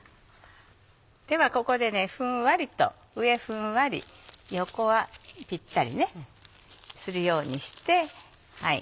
ではここでふんわりと上ふんわり横はぴったりねするようにして。